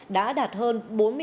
đã đạt hơn bốn mươi ba